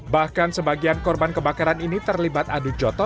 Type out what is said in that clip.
bahkan sebagian korban kebakaran ini terlibat adu joto